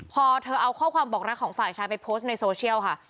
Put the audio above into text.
พอเธอเอาข้อความบอกรักของฝ่ายชายไปโพสต์ในโซเชียลค่ะ